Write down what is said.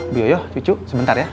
bu yoyo cucu sebentar ya